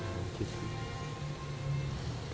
gak pengen kayak gitu